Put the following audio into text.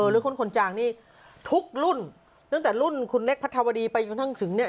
เลือกคนคนจางนี่ทุกรุ่นนั้นแต่รุ่นละครพระวรีไปอยู่ถึงอย่างทั้งถึงเนี่ย